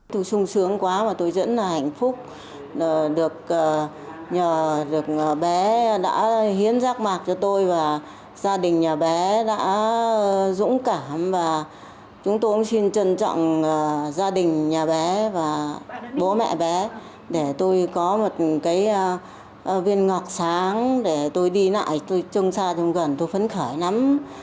tôi xung sướng quá và tôi vẫn là hạnh phúc được nhờ được bé đã hiến rác mạc cho tôi và gia đình nhà bé đã dũng cảm và chúng tôi cũng xin trân trọng gia đình nhà bé và bố mẹ bé để tôi có một cái viên ngọt sáng để tôi đi lại tôi trông xa trông gần tôi phấn khởi lắm